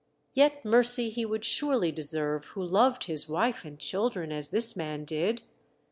Yet mercy he would surely deserve who loved his wife and children as this man did.